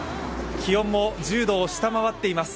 気温も１０度を下回っています。